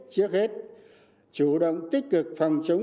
trước hết chủ động tích cực phòng chống